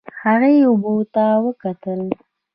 هغې اوبو ته وکتل.